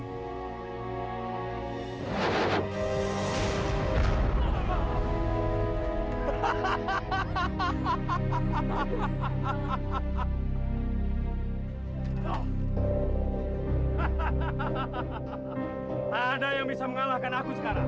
hahaha ada yang bisa mengalahkan aku sekarang